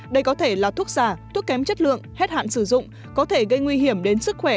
đây có thể là thuốc giả thuốc kém chất lượng hết hạn sử dụng có thể gây nguy hiểm đến sức khỏe